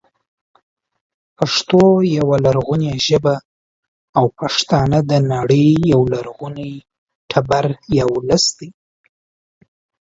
پښتو يوه لرغونې ژبه او پښتانه د نړۍ یو لرغونی تبر یا ولس دی